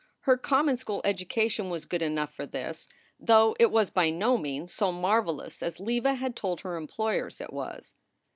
Her common school education was good enough for this, though it was by no means so marvelous as Leva had told her employers it was.